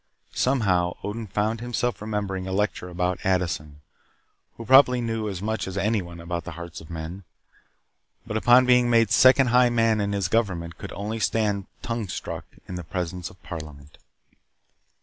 Somehow, Odin found himself remembering a lecture about Addison, who probably knew as much as anyone about the hearts of men, but upon being made second high man in his government could only stand tongue struck in the presence of Parliament.